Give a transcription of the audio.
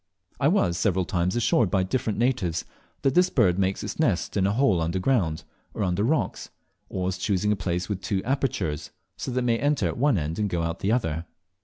I was several times assured by different natives that this bird makes its nest in a hole under ground, or under rocks, always choosing a place with two apertures, so that it may enter at one and go out at the other.